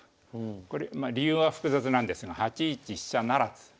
これまあ理由は複雑なんですが８一飛車不成。